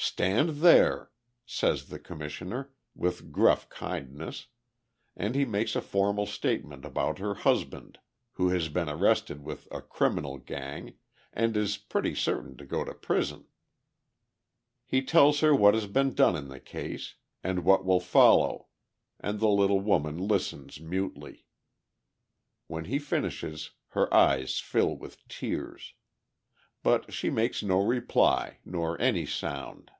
"Stand there," says the Commissioner, with gruff kindness, and he makes a formal statement about her husband, who has been arrested with a criminal gang, and is pretty certain to go to prison. He tells her what has been done in the case, and what will follow, and the little woman listens mutely. When he finishes, her eyes fill with tears. But she makes no reply, nor any sound.